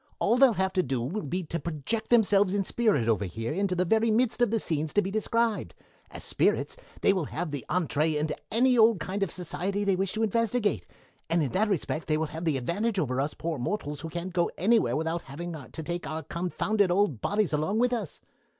"All they'll have to do will be to project themselves in spirit over here into the very midst of the scenes to be described. As spirits they will have the entrée into any old kind of society they wish to investigate, and in that respect they will have the advantage over us poor mortals who can't go anywhere without having to take our confounded old bodies along with us.